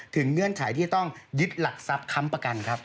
เงื่อนไขที่จะต้องยึดหลักทรัพย์ค้ำประกันครับ